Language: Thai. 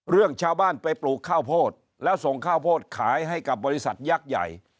เรื่องชาวบ้านไปปลูกข้าวโพดแล้วส่งข้าวโพดขายให้กับบริษัทยักษ์ใหญ่